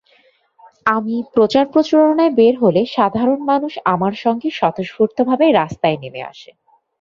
আমি প্রচার-প্রচারণায় বের হলে সাধারণ মানুষ আমার সঙ্গে স্বতঃস্ফূর্তভাবে রাস্তায় নেমে আসে।